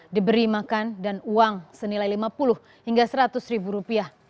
diberi makan dan uang senilai lima puluh hingga seratus ribu rupiah